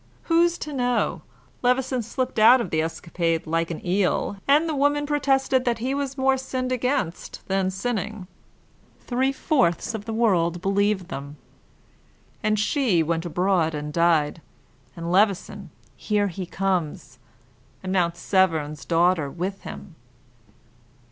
"Who's to know? Levison slipped out of the escapade like an eel, and the woman protested that he was more sinned against than sinning. Three fourths of the world believed them." "And she went abroad and died; and Levison here he comes! And Mount Severn's daughter with him."